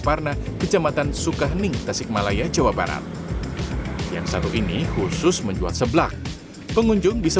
enak terasa terjangkau harganya